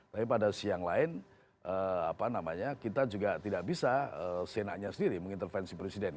tapi pada siang lain kita juga tidak bisa seenaknya sendiri mengintervensi presiden